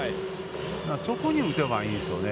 そこに打てばいいんですよね。